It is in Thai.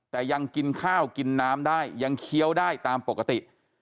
แต่ยังกินข้าวกินน้ำได้ยังเคี้ยวได้ตามปกติ